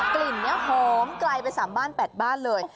กลิ่นเนี่ยหอมไกลไปสามบ้านแปดบ้านเลย